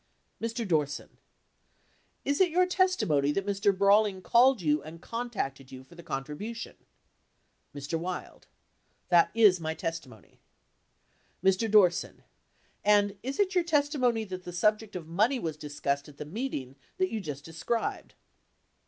Mr. Dorset. Is it your testimony that Mr. Brawley called you and contacted you for the contribution ? Mr. Wild. That is my testimony. Mr. Dorset. And is it your testimony that the subject of money w T as discussed at the meeting that you just described?